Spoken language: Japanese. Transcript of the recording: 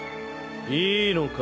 いいのか？